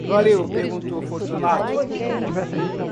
Valeu? perguntou Fortunato.